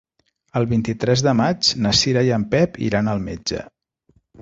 El vint-i-tres de maig na Cira i en Pep iran al metge.